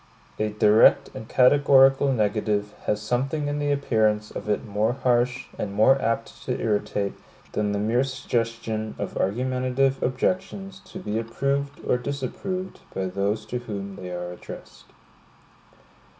A direct and categorical negative has something in the appearance of it more harsh, and more apt to irritate, than the mere suggestion of argumentative objections to be approved or disapproved by those to whom they are addressed.